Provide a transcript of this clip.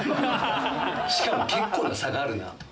しかも結構な差があるなと。